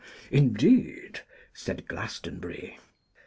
'Indeed!' said Glastonbury.